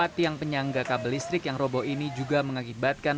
tiang penyangga kabel listrik yang robo ini juga mengakibatkan